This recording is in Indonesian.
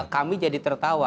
kami jadi tertawa